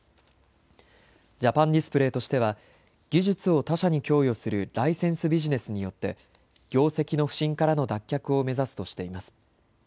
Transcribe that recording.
ジャパンディスプレイとしては技術を他社に供与するライセンスビジネスによって業績の不振からの脱却を目指すとしています。